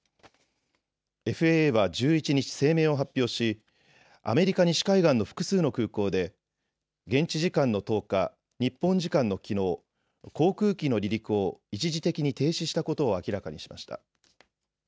ＦＡＡは１１日、声明を発表しアメリカ西海岸の複数の空港で現地時間の１０日、日本時間のきのう、航空機の離陸を一時的に停止したことを明らかにしました。